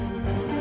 pakat hvor dia